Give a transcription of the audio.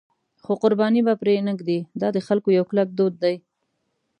خو قرباني به پرې نه ږدي، دا د خلکو یو کلک دود دی.